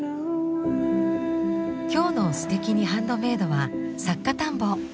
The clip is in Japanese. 今日の「すてきにハンドメイド」は作家探訪。